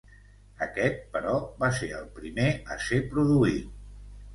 Aquest, però, va ser el primer a ser produït.